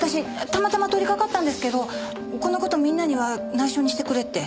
たまたま通りかかったんですけどこの事みんなには内緒にしてくれって。